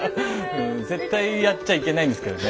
うん絶対やっちゃいけないんですけどね。